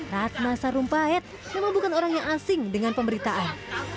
ratna sarumpait memang bukan orang yang asing dengan pemberitaan